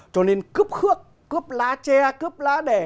cho nên cướp khước cướp lá tre cướp lá đẻ